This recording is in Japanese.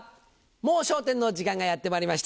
『もう笑点』の時間がやってまいりました。